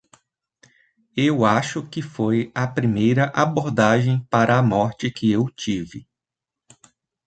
Eu acho que foi a primeira abordagem para a morte que eu tive.